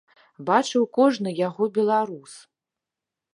Бачыў кожны яго беларус.